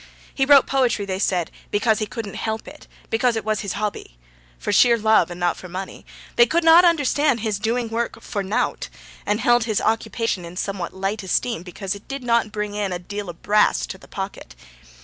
He wrote poetry, they said, 'because he couldn't help it because it was his hobby' for sheer love, and not for money. They could not understand his doing work 'for nowt,' and held his occupation in somewhat light esteem because it did not bring in 'a deal o' brass to the pocket.'